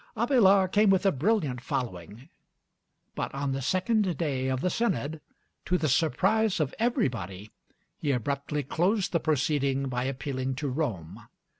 Abélard came with a brilliant following; but on the second day of the synod, to the surprise of everybody, he abruptly closed the proceeding by appealing to Rome.